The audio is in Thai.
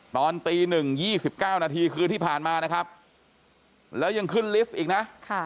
ตอนตีหนึ่ง๒๙นาทีคืนที่ผ่านมานะครับแล้วยังขึ้นลิฟต์อีกนะ